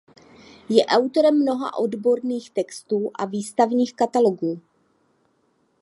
Je autorem mnoha odborných textů a výstavních katalogů.